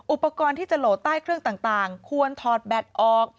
อุปกรณ์ที่จะโหลดใต้เครื่องต่างควรถอดแบตออก